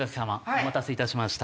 お待たせいたしました。